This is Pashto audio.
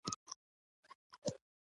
کاکړ د اسلامي ارزښتونو ملاتړي دي.